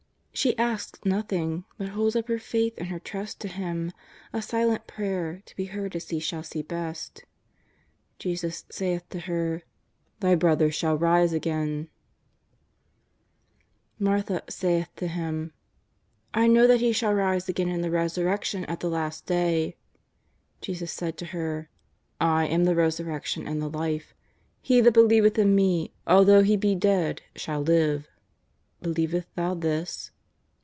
She asks nothing, but holds up her faith and her trust to Him, a silent prayer, to be heard as He shall see best. Jesus saith to her: " Thy brother shall rise again," JESUS OF NAZARETH. 293 Martha saith to Him: '^I know that he shall rise again in the resurrection at the last day." Jesus said to her: "I am the resurrection and the life ; he that believeth in Me, although he be dead, shall live Believest thou this